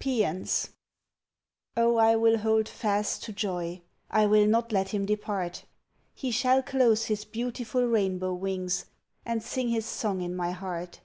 PAEANS Oh! I will hold fast to Joy! I will not let him depart He shall close his beautiful rainbow wings And sing his song in my heart.